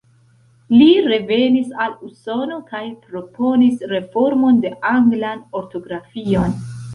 Li revenis al Usono kaj proponis reformon de anglan ortografion.